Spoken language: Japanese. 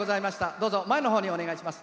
どうぞ前のほうへお願いします。